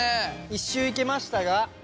一周いけましたが。